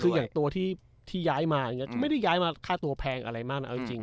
หรือตัวที่ย้ายมาไม่ได้ย้ายมาค่าตัวแพงอะไรมากนักจริง